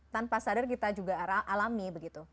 tanpa sadar kita juga alami begitu